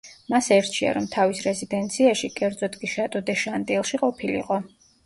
მას ერჩია, რომ თავის რეზიდენციაში, კერძოდ კი შატო დე შანტილში ყოფილიყო.